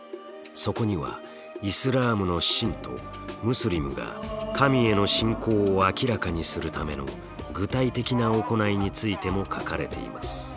そこにはイスラームの信徒ムスリムが神への信仰を明らかにするための具体的な行いについても書かれています。